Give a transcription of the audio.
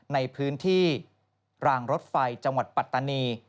ในพื้นที่รางรถไฟจังหวัดปัตตานี